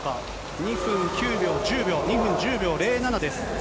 ２分９秒、１０秒、２分１０秒０７です。